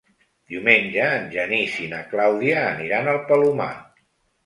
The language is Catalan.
Diumenge en Genís i na Clàudia aniran al Palomar.